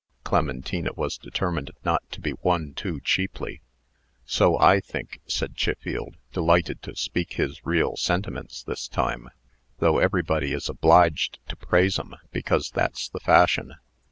Clementina was determined not to be won too cheaply. "So I think," said Chiffield, delighted to speak his real sentiments this time; "though everybody is obliged to praise 'em, because that's the fashion."